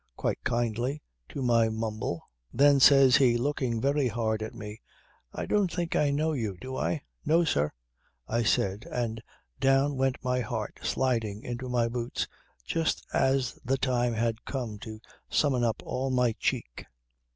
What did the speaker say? quite kindly to my mumble. Then says he looking very hard at me: 'I don't think I know you do I?' "No, sir," I said and down went my heart sliding into my boots, just as the time had come to summon up all my cheek.